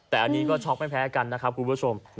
แต่อันนี้ก็ช็อกไม่แพ้กันนะครับคุณผู้ชม